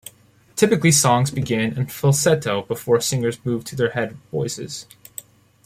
Typically songs begin in falsetto before singers move to their head voices.